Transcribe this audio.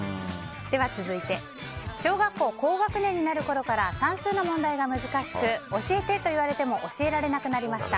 続いて小学校高学年になるころから算数の問題が難しく教えて！と言われても教えられなくなりました。